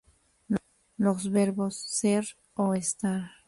Los verbos "ser" o "estar".